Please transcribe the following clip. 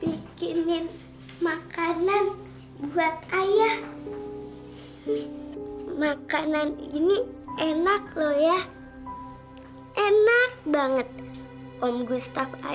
sekarang juga saya bawa pergi lara